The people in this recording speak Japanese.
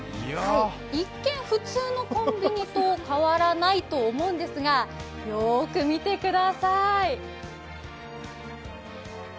一見普通のコンビニと変わらないと思うんですがよーく見てください。